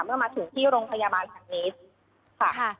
เมื่อมาถึงที่โรงพยาบาลแห่งนี้ค่ะ